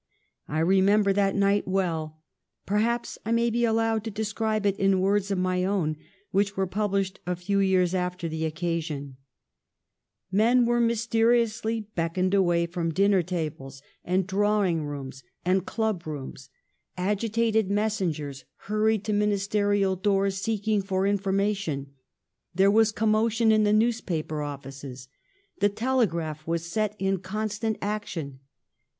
I remember that night well; perhaps I may be allowed to de scribe it in words of my own which were published a few years after the occasion :" Men were mys teriously beckoned away from dinner tables and ;oi 302 THE STORY OF GLADSTONE'S LIFE drawing rooms and club rooms. Agitated messen gers hurried to ministerial doors seeking for infor mation. There was commotion in the newspaper offices. The telegraph was set in constant action.